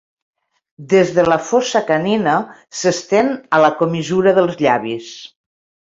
Des de la fossa canina s'estén a la comissura dels llavis.